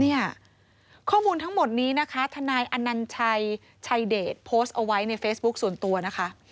ข้อมูลทั้งหมดนี้นะคะทนายอนัญชัยชัยเดชโพสต์เอาไว้ในเฟซบุ๊คส่วนตัวนะคะ